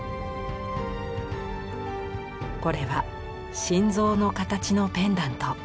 これは心臓の形のペンダント。